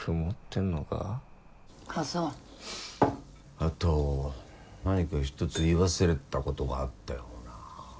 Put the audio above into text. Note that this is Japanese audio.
あと何か１つ言い忘れてたことがあったような。